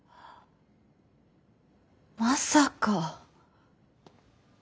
まさか。